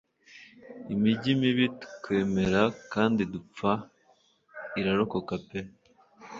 Imijyi mibi twemera kandi dupfa; irarokoka pe